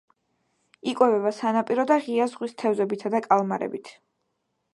იკვებება სანაპირო და ღია ზღვის თევზებითა და კალმარებით.